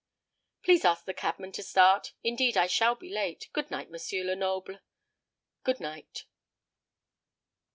"Please ask the cabman to start. Indeed, I shall be late. Good night, M. Lenoble." "Good night."